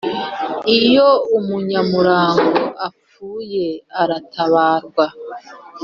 Iyo umunyamurango apfuye aratabarwa